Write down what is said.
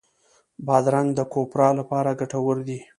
بادرنګ د کوپرا لپاره ګټور دی.